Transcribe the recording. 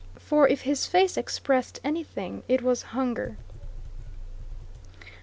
For if his face expressed anything, it was hunger.